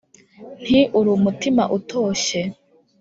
nti "uri mutima utoshye